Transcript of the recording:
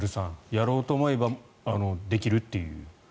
やろうと思えばできるという。